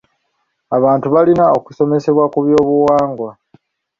Abantu balina okusomesebwa ku byobuwangwa .